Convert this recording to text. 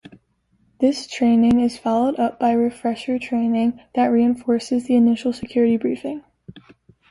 This training is followed up by refresher training that reinforces the initial security briefing.